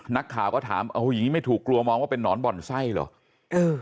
นักข่าวก็ถามเอาอย่างนี้ไม่ถูกกลัวมองว่าเป็นนอนบ่อนไส้เหรอเออ